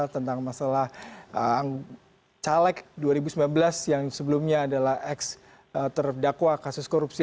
tentang masalah caleg dua ribu sembilan belas yang sebelumnya adalah ex terdakwa kasus korupsi